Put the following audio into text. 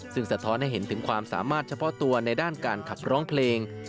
ซึ่งสะท้อนให้เห็นถึงความสามารถเฉพาะตัวในด้านการขับร้องเพลง